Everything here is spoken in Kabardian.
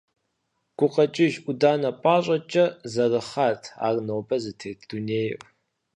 Гукъэкӏыж ӏуданэ пӏащӏэкӏэ зэрыхъат ар нобэ зытет дунейр.